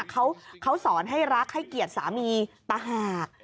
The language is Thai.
เขาสอนให้รักให้เกียรติสามีต่างหาก